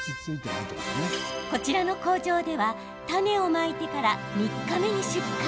こちらの工場では種をまいてから３日目に出荷。